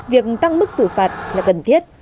việc tăng mức xử phạt